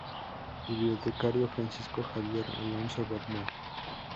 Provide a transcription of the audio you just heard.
Bibliotecario: Francisco Javier Alonso Bernal.